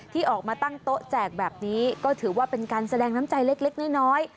ที่ออกมาตั้งโต๊ะแจกแบบนี้ก็ถือว่าเป็นการแสดงน้ำใจเล็กน้อย